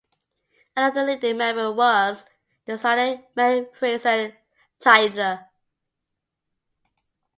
Another leading member was the designer Mary Fraser Tytler.